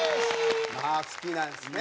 まあ好きなんですね！